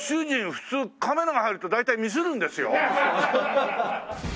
普通カメラが入ると大体ミスるんですよ。